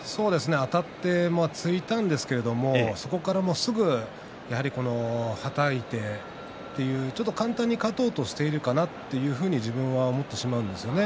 あたって突いたんですけど、そこからすぐはたいてちょっと簡単に勝とうとしているかなというふうに自分は思ってしまうんですよね。